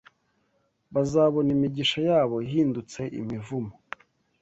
bazabona imigisha yabo ihindutse imivumo